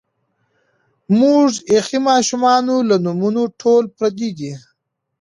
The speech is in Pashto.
مونږ ایخي مـاشومـانو لـه نومـونه ټول پردي دي